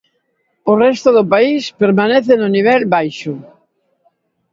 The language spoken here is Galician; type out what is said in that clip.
O resto do país permanece no nivel baixo.